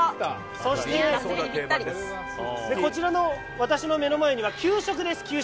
そして、私の目の前には給食です。